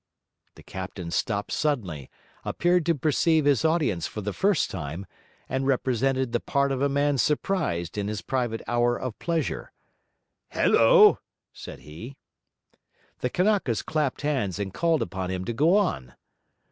The captain stopped suddenly, appeared to perceive his audience for the first time, and represented the part of a man surprised in his private hour of pleasure. 'Hello!' said he. The Kanakas clapped hands and called upon him to go on.